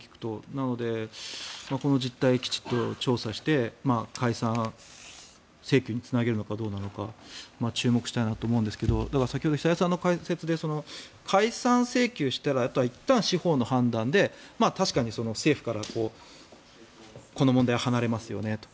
なので、この実態をきちんと調査して解散請求につなげるのかどうなのか注目したいなと思うんですが先ほど久江さんの解説で解散請求したらいったん司法の判断で確かに政府からこの問題は離れますよねと。